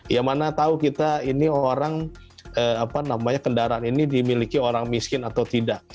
ya mana tahu kita ini orang apa namanya kendaraan ini dimiliki orang miskin atau tidak